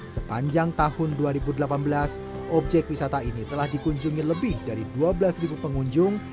sepanjang tahun dua ribu delapan belas objek wisata ini telah dikunjungi lebih dari dua belas pengunjung